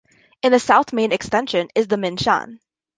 In the south main extension is the Min Shan.